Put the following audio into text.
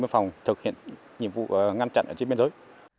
biên phòng thực hiện nhiệm vụ ngăn chặn ở trên biên giới